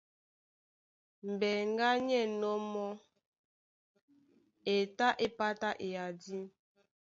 Mbeŋgá ní ɛ̂nnɔ́ mɔ́, e tá é pátá eyadí.